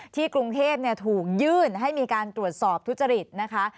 กรุงเทพถูกยื่นให้มีการตรวจสอบทุจริตนะคะ